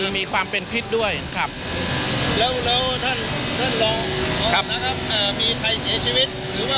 สถานการณ์ข้อมูล